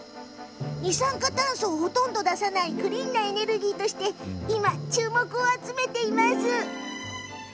二酸化炭素をほとんど出さないクリーンなエネルギーとして今、注目を集めています。